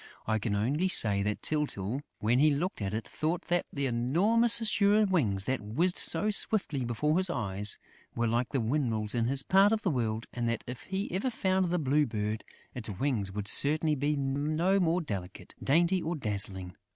I can only say that Tyltyl, when he looked at it, thought that the enormous azure wings that whizzed so swiftly before his eyes were like the windmills in his part of the world and that, if he ever found the Blue Bird, its wings would certainly be no more delicate, dainty or dazzling.